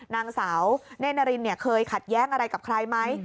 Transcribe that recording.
นางสาวเน่นารินเคยขัดแย้งอะไรกับใครไหม